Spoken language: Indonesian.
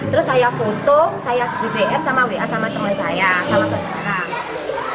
terus saya foto saya di bn sama wa sama teman saya sama saudara